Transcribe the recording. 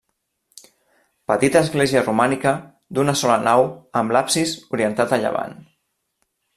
Petita església romànica d'una sola nau amb l'absis orientat a llevant.